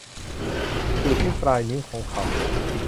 จูบที่ปลายนิ้วของเขา